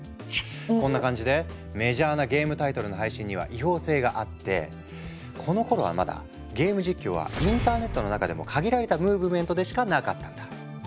こんな感じでメジャーなゲームタイトルの配信には違法性があってこのころはまだゲーム実況はインターネットの中でも限られたムーブメントでしかなかったんだ。